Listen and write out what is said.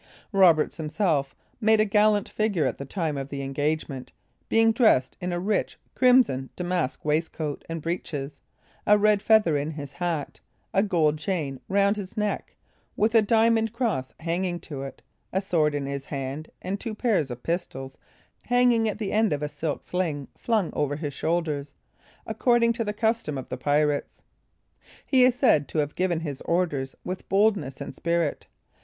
Roberts, himself, made a gallant figure at the time of the engagement, being dressed in a rich crimson damask waistcoat and breeches, a red feather in his hat, a gold chain round his neck, with a diamond cross hanging to it, a sword in his hand, and two pair of pistols hanging at the end of a silk sling flung over his shoulders, according to the custom of the pirates. He is said to have given his orders with boldness and spirit.